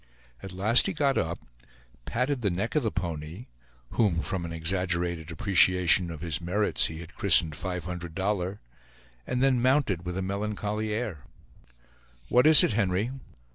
At last he got up, patted the neck of the pony (whom, from an exaggerated appreciation of his merits, he had christened "Five Hundred Dollar"), and then mounted with a melancholy air. "What is it, Henry?"